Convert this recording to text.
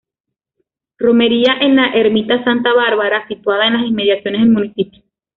Romería en la ermita Santa Bárbara, situada en las inmediaciones del municipio.